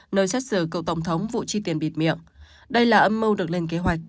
nơi xét xử cựu tổng thống vụ chi tiền bịt miệng đây là âm mưu được lên kế hoạch